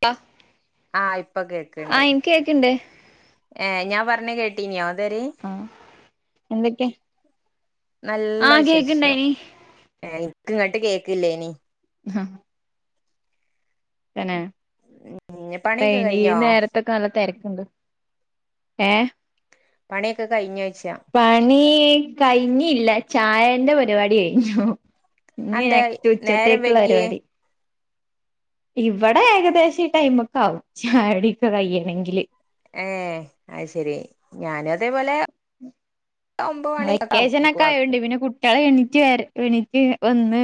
ട്ട ആ ഇപ്പൊ കേക്കണ്ട് ഏ ഞാൻ പറ ഞ്ഞ കേട്ടീ ഞാൻ ആ എന്തൊക്കെ ആ നല്ല കേക്കണ്ടായിനി ങ്ങോട്ട് കേക്കില്ലേനീ ങ്ഹ അനെ പിന്നെ പണിയൊക്കെ എനീ ഈ കഴിഞ്ഞോ നേരത്തെ കാലത്ത് തെര ണ്ട് ഏ പണിയൊക്കെ കഴിഞ്ഞോ പണിയെ കഴിഞ്ഞ് ഇല്ല ചായന്റെ പരിപാടി കഴിഞ്ഞു നീ അതെന്താ നെക്സ്റ്റ് നേരം ഉച്ചത്തേക്കുള്ള വൈകിയേ പരിപാടി. ഇവടെ ഏകദേശം ഈ ടൈമൊക്കെ ആകും ചായകുടി ഏ അയ്ശരി ഞാനും അതേപോലെ ഒമ്പത് മണി ഒക്കെ ആവും വെക്കേഷനൊക്കെ ആയൊണ്ട് മിക്കവാറും പിന്നെ കുട്ടികള് എണീറ്റ് വര് എണീറ്റ് വന്ന്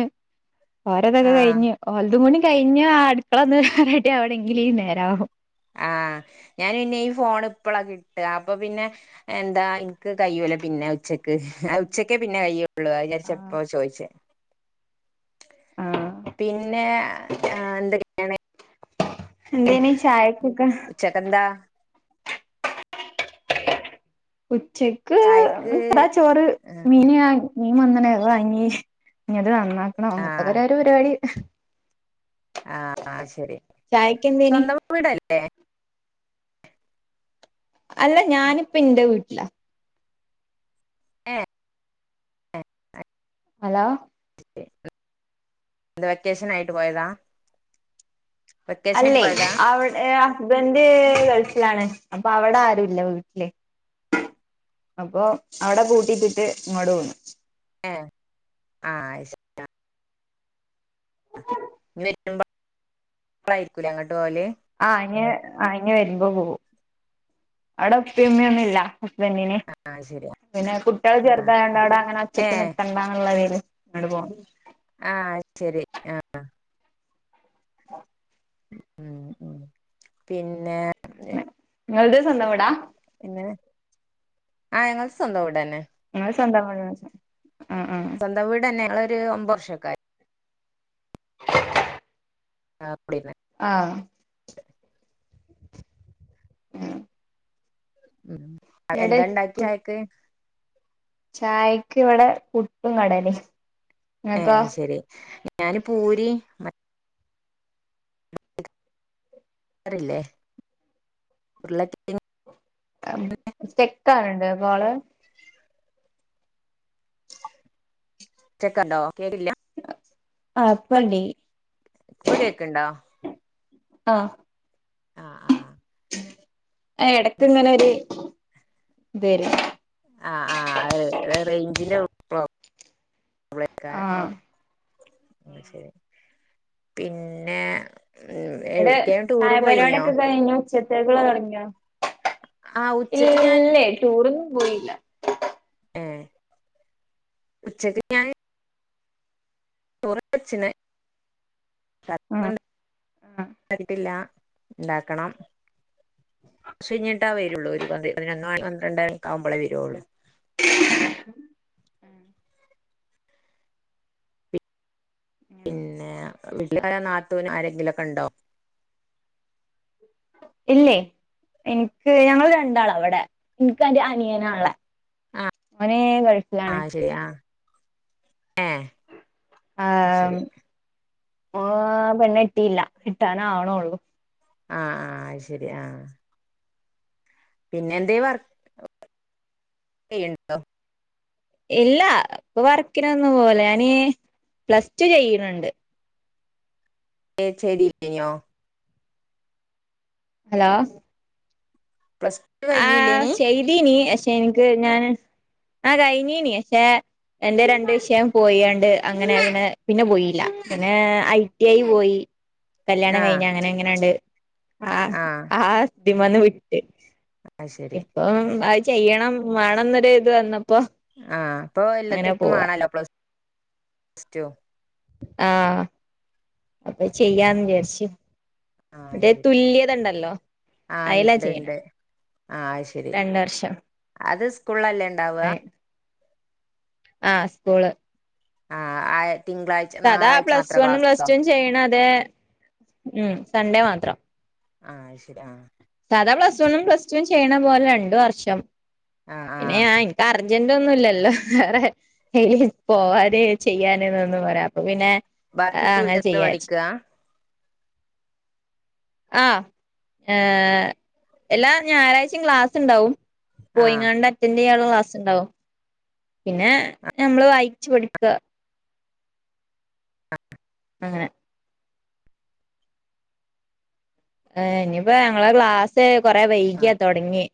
ഓരതൊക്കെ ആഹ് കയ്ഞ്ഞ് ഓൽതും കൂടി കഴിഞ്ഞാ അടുക്കളൊന്ന് റെഡി ആവണെങ്ങില് ഈ നേരാവും ആ ഞാനിനി ഈ ഫോണ് പ്പളാ കിട്ട അപ്പൊ പിന്നെ എന്താ ഇൻക്ക് കയ്യൂല പിന്നെ ഉച്ചക്ക് ഉച്ചക്കേ പിന്നെ കയ്യൊ‌ ള്ളൂ ആ അയ്ജാര്ച്ച പ്പോ ചോയ്ച്ചേ ആ പിന്നെ അ എന്തേനി [unintelligible] ചായക്കൊക്കെ ഉച്ചയ്ക്കെന്താ ഉച്ചക്ക് ചായക്ക് ആ ചോറ് മീന് ഞാ മീൻ വന്ന്ണ് അത് വാങ്ങീ ത് നന്നാക്കണം ആഹ് ട്ടപരുരോപരുപാടി [unintelligible] ആ ആ ശരി ചായക്ക് എന്തേനി സ്വന്തം വീടല്ലേ അല്ല ഞാനിപ്പ ന്റെ വീട്ട്ലാ ഏഹ് ഹലോ വെക്കേഷനായിട്ട് പോയതാ വെക്കേഷൻ ആയിട്ട് അല്ലെയ് പോയതാ അവ്ടെ സ്ബന്റ് ഗൾഫിലാണ് അപ്പൊ അവടെ ആരുല്ല വീട്ടില് അപ്പൊ അവടെ പൂട്ടിട്ടിട്ട് ഇങ്ങോട്ട് പോന്നു ഏ ആ അശരി ളായിരിക്കും ലെ അങ്ങോട്ട് പോകല് ആ ഇഞ്ഞ് ഇഞ്ഞ് വരുമ്പോ പോകും അവിടെ ഉപ്പിം ഉമ്യൊന്നുംല്ല ഹസ്ബന്റ്ന് ആഹ് ശരി പിന്നെ കുട്ട്യാള് ആഹ് ചെർതായോണ്ട് അവുടെങ്ങനെ അട്ച്ച്ട്ട് ഏഹ് നില്ക്കണ്ടന്നുള്ളതിൽ അങ്ങട്ട് പോവും ആ ശരി ആ ആ- ഉം ഉം പിന്നെ നിങ്ങൾത് സ്വന്തം വീടാ പിന്നെ ആ ഞങ്ങൾത് സ്വന്തം വീടെന്നെ ങ്ങള് സ്വന്തം വീടാ സ്വന്തം വീട് തന്നെങ്ങള് ര് ഒമ്പൊർഷൊക്കായി ആ [unintelligible] ആ ഉം ഉം ഇവിടെ എന്താണ്ടാക്കി ചായക്ക് ചായക്ക് ഇവിടെ പുട്ടും കടലിം ഇങ്ങക്കോ ആയ് ശരി ഞാന് പൂരിം ഉരുളകെയ്ങ് [unintelligible] സ്റ്റക്ക് ആക്ണ്‌ണ്ടോകോള് സ്റ്റേക്കുണ്ടോ? കേക്കില്ല ആഹ് ഇപ്പ ഇപ്പണ്ടീ ഇപ്പൊ കേക്ക്‌ണ്ടോ ആ ആഹ് ആഹ് ആ എടക്ക്‌ ങ്ങനെൊര് ബെരും ആ ആ് റെയ്ഞ്ചിന്റെ പ്രോബ് ആഹ് ഉ ശരി പിന്നെ ഉം ഇടെ എവിട്ക്കേലും ടൂറ് പോയിനിയോ ചായപരിപാടിഒക്കെ കഴിഞ്ഞു ഉച്ച ഉച്ചക്കുള്ള തൊടങ്ങിയോ? ആഹ് ഉച്ചക്ക് ഞാൻ ഇല്ലേ ടൂറിനൊ പോയില്ല ഏ ഉച്ചക്ക് ഞാന് ചോറൊക്കെ വെച്ച്ണ് ആഹ് [unintelligible] ആഹ് ഉണ്ടാക്കണം കുറച്ചു കഞ്ഞിട്ടാ വരുള്ളൂ ഒരു പതിനൊന്നു മണി പന്ത്രണ്ടര ആവുമ്പോളേ വരുവുള്ളൂ അങ്ങനെ പിന്നെ വീട്ടിൽ നാത്തനും ആരെങ്കിലുംക്കെ ഉണ്ടോ ഇല്ലേ എനിക്ക് ഞങ്ങൾ രണ്ടാള അവിടെ എനിക്ക് അനിയന ഉള്ളത് ആ ശരിയാ ങേ ആ ശരിയ ആഹ് ആ പെണ് കെട്ടിയില്ല കെട്ടാന് ആവണള്ളൂ ആ ആ ശരി ആ പിന്നെ എന്ത വർക്ക് ചെയ്യണ്ടോ ഇല്ല ഇപ്പൊ വർക്കിന് ഒന്നും പോല ഞാന് plus two ചെയ്യണണ്ട് [unintelligible] hello plus two ആ കഴിഞ്ഞല്ലേനി ചെയ്തീനി പക്ഷെ എനിക്ക് ഞാന് ആ കഴിഞ്ഞീനി പക്ഷെ എറെ രണ്ട് വിഷയം പോയണ്ട് അങ്ങനെ അങ്ങനെ പിന്നെ പോയില്ല പിന്നെ ഐ ടി ഐ പോയി കല്യാണം ആഹ് കഴിഞ്ഞ അങ്ങനെ എങ്ങനെണ്ട് ആ ആഹ് ആ ദിമന്ന് വിട്ട് അത് ശരി ഇപ്പം [unintelligible] ചെയ്യണം വേണംന്നൊ ഒരു ഇത് വന്ന ആ പ്പൊ എല്ലത്തിനും വേണല്ലോ പ്ലസ് സ്റ്റോ ആഹ് അപ്പൊ അത് ശരി ചെയ്യാന്ന് വിചാരിച്ചു ആഹ് അത് മറ്റേ ശരി തുല്യത ണ്ടല്ലോ ആഹ് അയലാ ഇണ്ട് ചെയ്യണ ഇണ്ട് ആഹ് അത് ശരി രണ്ട വർഷം അത് സ്കൂളിലല്ലേ ഉണ്ടാവുക ആ ആ സ്കൂള് ആ ആയെ സദാ പ്ലസ് വണ്ണും പ്ലസ് ടും ചെയ്യണ [unintelligible] ഉ സൺഡേ മാത്രം ആശരി ആ സാധാ പ്ലസ് വണ്ണും പ്ലസ് ടൂ ചെയ്യണ പോലെ രണ്ട് വർഷം ആഹ് ഇന്നെ ആഹ് [unintelligible] ആർജന്റു ഒന്നുംല്ലല്ലോ വേറെ പോവാനെ ചെയ്യാന എന്നൊന്നും പരാ അപ്പൊ പിന്നെ ബാക്കി വീട്ടിൽന്ന് പഠിക്കാ ആഹ് ഏ എല്ലാ ഞായറാഴ്ചയും ക്ലാസ് ണ്ടാവും ആഹ് പോയിങ്ങാണ്ട് അറ്റൻ [unintelligible] ക്ലാസ് ഉണ്ടാവും പിന്നെ നമ്മള് വായിച്ചു പടിക്ക അങ്ങനെ എ ഇനിയിപ്പോ ഞങ്ങള ഗ്ളാസ് കൊറെ വൈകിയാ ആഹ് തൊടങ്ങിയെ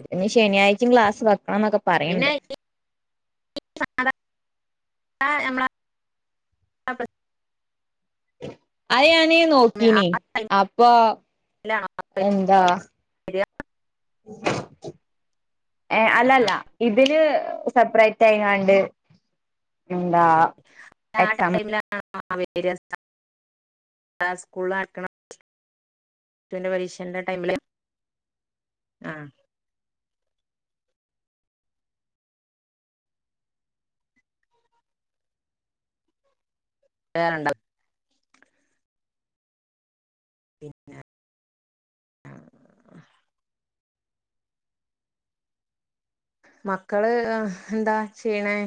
ശരി പിന്നെ ശനിയാഴ് ചിം ഗ്ലാസ് വ മാന്നൊക്കെ പിന്നെ പറയണ്ട് ഈ സാധാരണ [inaudible] അയ് ഞാൻ നീ ആ നോക്കീനി അപ്പൊ ടൈമിലാണോ എന്താ വരിക ഏ അല്ലല്ല ഇതിന് സെപ്പറേറ്റ് തേങ്ങാണ്ട് [unintelligible] [unintelligible] സ്കൂള ആക്കണം പന്റെ പരീക്ഷന്റെ ടൈമില് ആ വേറെണ്ട പിന്നെ ആഹ് മക്കള് എന്താ ചെയ്യണേ